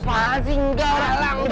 pasti enggak orang orang